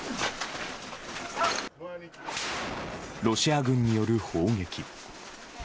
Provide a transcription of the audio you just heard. ロシア軍による砲撃。